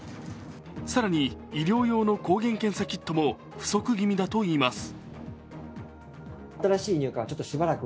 更に医療用の抗原検査キットも不足気味だといいます。